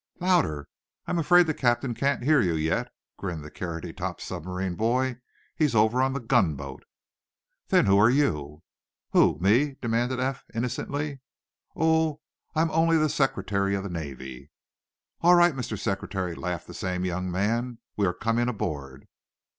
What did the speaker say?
"Louder. I'm afraid the captain can't hear you yet," grinned the carroty topped submarine boy. "He's over on the gunboat." "Then who are you?" "Who? Me?" demanded Eph, innocently. "Oh, I'm only the Secretary of the Navy." "All right, Mr. Secretary," laughed the same young man. "We are coming aboard."